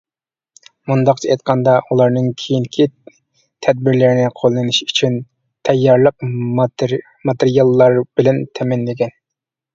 مۇنداقچە ئېيتقاندا ئۇلارنىڭ كېيىنكى تەدبىرلەرنى قوللىنىشى ئۈچۈن تەييارلىق ماتېرىياللار بىلەن تەمىنلىگەن.